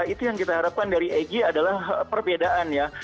itu yang kita harapkan dari egy adalah perbedaan ya